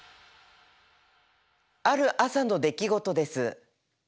ある朝の出来事です。